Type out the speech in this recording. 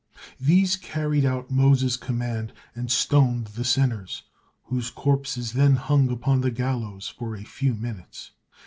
These carried out Moses' command and stoned the sinners, whose corpses then hung upon the gallows for a few minutes.